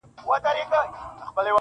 همدا ښارونه- دا کیسې او دا نیکونه به وي-